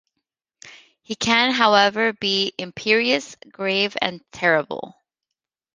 He can, however, be imperious, grave, and terrible.